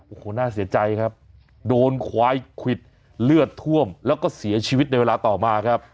โอ้โหน่าเสียใจครับโดนควายควิดเลือดท่วมแล้วก็เสียชีวิตในเวลาต่อมาครับ